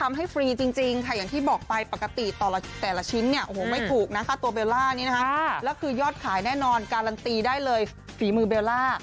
ฟรีจริงค่ะอย่างที่บอกไปปกติแต่ละชิ้นเนี่ยโอ้โหไม่ถูกนะค่าตัวเบลล่านี้นะคะแล้วคือยอดขายแน่นอนการันตีได้เลยฝีมือเบลล่า